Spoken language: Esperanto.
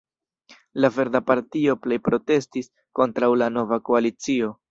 La Verda Partio plej protestis kontraŭ la nova koalicio.